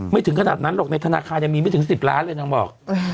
ถึงขนาดนั้นหรอกในธนาคารยังมีไม่ถึง๑๐ล้านเลยนางบอก